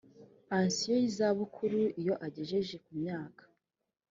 pansiyo y izabukuru iyo agejeje ku myaka